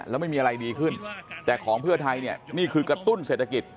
แล้วไม่มีอะไรดีขึ้นแต่ของเพื่อไทยเนี่ยนี่คือกระตุ้นเศรษฐกิจ